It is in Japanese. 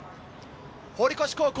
堀越高校